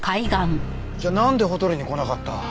じゃあなんでホテルに来なかった？